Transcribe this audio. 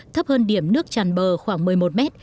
thấp hơn điểm nước tràn bờ khoảng một mươi một mét